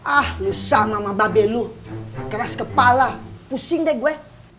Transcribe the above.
ah lusa mama babelu keras kepala pusing deh gue